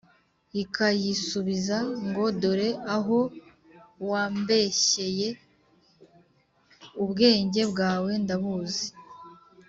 ikayisubiza ngo dore aho wambeshyeye, ubwenge bwawe ndabuzi